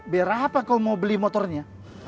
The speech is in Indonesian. berapa kau mau beli motornya